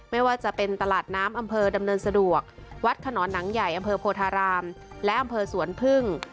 ไม่ว่าจะเป็นตลาดน้ำอำเภอดำเนินสะดวกวัดขนอนหนังใหญ่อำเภอโพธารามและอำเภอสวนพึ่ง